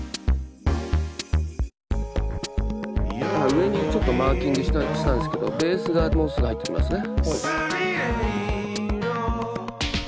上にちょっとマーキングしたんですけどベースがもうすぐ入ってきますね。